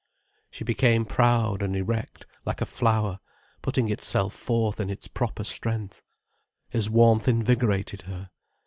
She became proud and erect, like a flower, putting itself forth in its proper strength. His warmth invigorated her.